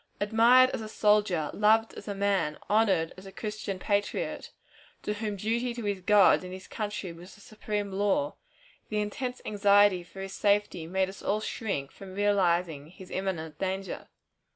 Admired as a soldier, loved as a man, honored as a Christian patriot, to whom duty to his God and his country was a supreme law, the intense anxiety for his safety made us all shrink from realizing his imminent danger.